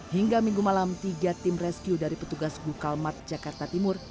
hingga minggu malam tiga tim rescue dari petugas gukalmat jakarta timur